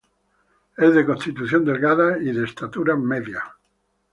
Es de constitución delgada y de estatura media.